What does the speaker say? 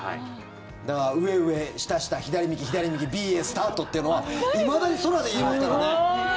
だから上上下下左右左右ＢＡスタートっていうのはいまだに空で言えますからね。